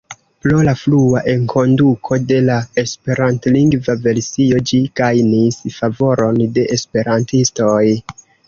Pro la frua enkonduko de la esperantlingva versio ĝi gajnis favoron de esperantistoj.